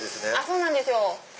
そうなんです。